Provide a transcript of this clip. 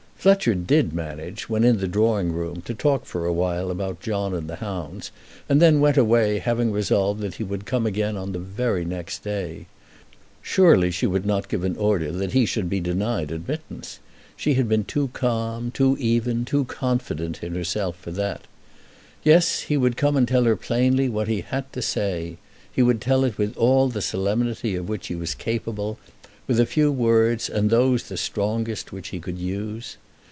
Fletcher did manage, when in the drawing room, to talk for a while about John and the hounds, and then went away, having resolved that he would come again on the very next day. Surely she would not give an order that he should be denied admittance. She had been too calm, too even, too confident in herself for that. Yes; he would come and tell her plainly what he had to say. He would tell it with all the solemnity of which he was capable, with a few words, and those the strongest which he could use.